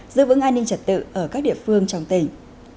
giữ vững an ninh trật tự ở các địa phương trong tỉnh